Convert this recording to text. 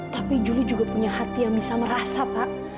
tapi juli juga punya hati yang bisa merasa pak